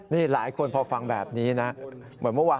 นี่หลายคนพอฟังแบบนี้นะ